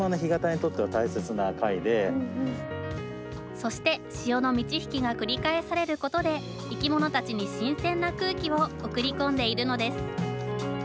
そして、潮の満ち引きが繰り返されることで生き物たちに新鮮な空気を送り込んでいるのです。